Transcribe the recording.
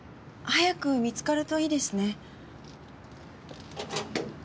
早く見つかるといいですね。